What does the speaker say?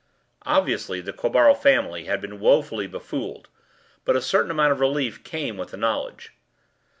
Obviously the Quabarl family had been woefully befooled, but a certain amount of relief came with the knowledge.